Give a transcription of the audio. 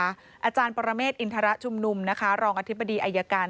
อาจารย์ปรเมฆอินทรชุมนุมนะคะรองอธิบดีอายการ